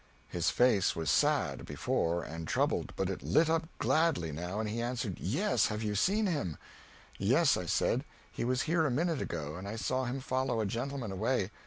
His face was sad, before, and troubled; but it lit up gladly now, and he answered, "Yes have you seen him?" "Yes," I said, "he was here a minute ago, and I saw him follow a gentleman away.